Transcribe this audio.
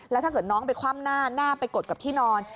แล้วถ้าเกิดน้องไปคว่ำหน้าหน้าไปกดกับที่นอน